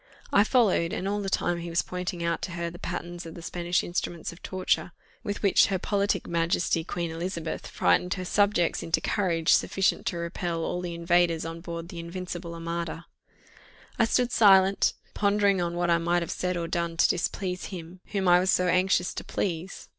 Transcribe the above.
I followed; and all the time he was pointing out to her the patterns of the Spanish instruments of torture, with which her politic majesty Queen Elizabeth frightened her subjects into courage sufficient to repel all the invaders on board the invincible armada I stood silent, pondering on what I might have said or done to displease him whom I was so anxious to please.